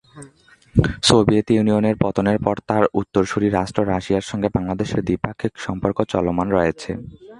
Soviet ইউনিয়নের পতনের পর তার উত্তরসূরি রাষ্ট্র রাশিয়ার সঙ্গে বাংলাদেশের দ্বিপাক্ষিক সম্পর্ক চলমান রয়েছে।